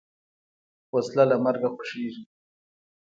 وسله له مرګه خوښیږي